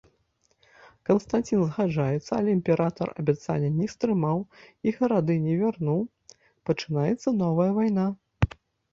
Канстанцін згаджаецца, але імператар абяцання не стрымаў і гарады не вярнуў, пачынаецца новая вайна.